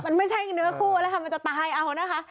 มันไม่ใช่เนื้อคู่แล้วค่ะมันจะตายเอานะคะ